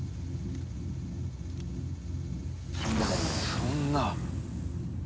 そんな。